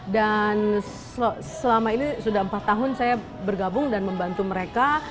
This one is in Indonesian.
dan selama ini sudah empat tahun saya bergabung dan membantu mereka